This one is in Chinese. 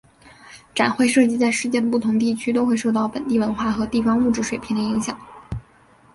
展会设计在世界的不同地区都会受到本地文化和地方物质水平的影响。